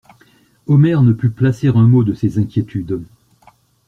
Omer ne put placer un mot de ses inquiétudes.